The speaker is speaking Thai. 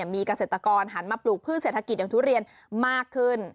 มีเกษตรกรหันมาปลูกพืชเศรษฐกิจอย่างทุเรียนมากขึ้น